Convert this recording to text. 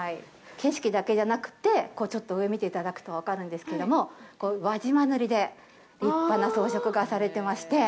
景色だけじゃなくてちょっと上見ていただくと分かるんですけども輪島塗で立派な装飾がされてまして。